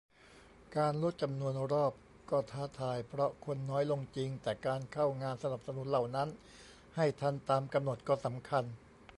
การลดจำนวนรอบก็ท้าทาย เพราะคนน้อยลงจริง แต่การเข้างานสนับสนุนเหล่านั้นให้ทันตามกำหนดก็สำคัญ